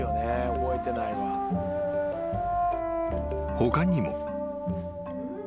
［他にも］